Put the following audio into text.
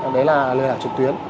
đấy là lừa đảo trực tuyến